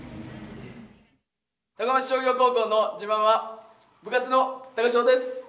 高松商業高校の自慢は「部活のＴＡＫＡＳＨＯ」です！